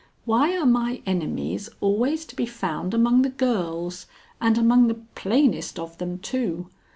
Why are my enemies always to be found among the girls, and among the plainest of them too?